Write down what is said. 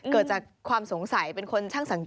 เกิดจากความสงสัยเป็นคนช่างสังเกต